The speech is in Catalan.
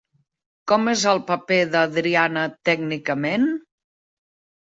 Com és el paper d'Adriana tècnicament?